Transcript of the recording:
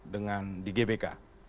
dengan di gbk